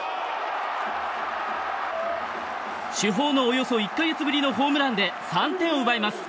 主砲のおよそ１か月ぶりのホームランで３点を奪います。